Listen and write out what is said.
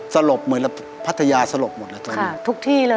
สลบเหมือนพัทยาสลบหมดแล้วตอนนี้